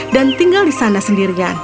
dan tinggal di sana sendirian